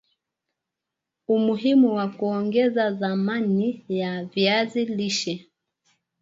umuhimu wa kuongeza thamani ya viazi lishe